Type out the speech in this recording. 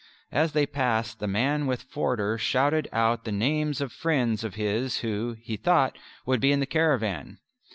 As they passed, the man with Forder shouted out the names of friends of his who he thought would be in the caravan.